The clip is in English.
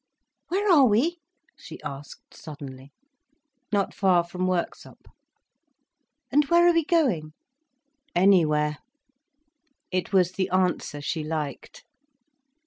"Where are we?" she asked suddenly. "Not far from Worksop." "And where are we going?" "Anywhere." It was the answer she liked.